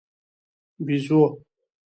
🐒بېزو